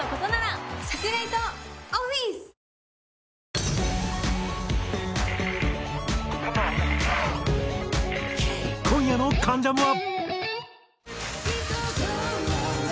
ニトリ今夜の『関ジャム』は。